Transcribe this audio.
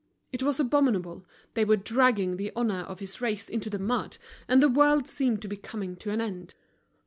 It was abominable, they were dragging the honor of his race into the mud, and the world seemed to be coming to an end.